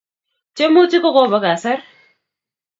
tyemutik ko Kobo kasar